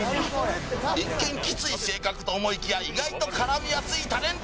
一見、きつい性格と思いきや、意外と絡みやすいタレント！